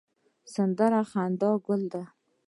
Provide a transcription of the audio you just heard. سندره د خندا ګل ده